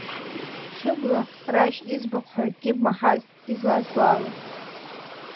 Хьыбла, Рашь иӡбахә ҳәа акгьы бмаҳацт излазбо ала?